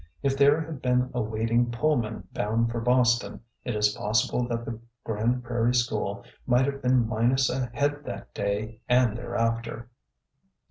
If there had been a waiting Pullman bound for Boston, it is possible that the Grand Prairie school might have been minus a head that day and thereafter.